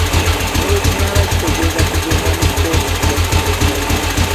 Ne bwe kinaaba kitegeeza kugenda mu kkooti, nja kugendayo.